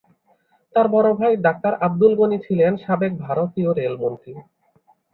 তাঁর বড় ভাই ডাক্তার আব্দুল গনি ছিলেন সাবেক ভারতীয় রেলমন্ত্রী।